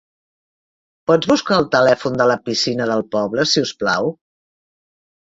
Pots buscar el telèfon de la piscina del poble, si us plau?